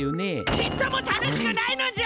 ちっとも楽しくないのじゃ！